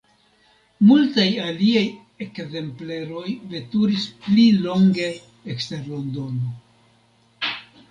Multaj aliaj ekzempleroj veturis pli longe ekster Londono.